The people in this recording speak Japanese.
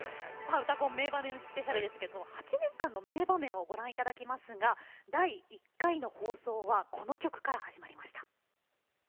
「うたコン名場面ＳＰ」ですけど８年間の名場面をご覧頂きますが第１回の放送はこの曲から始まりました。